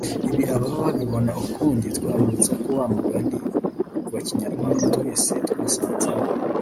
Ibi ababa babibona ukundi twabibutsa wa mugani wa kinyarwanda twese twasanzeho